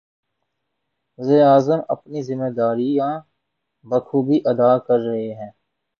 وزیر اعظم اپنی ذمہ داریاں بخوبی ادا کر رہے ہیں۔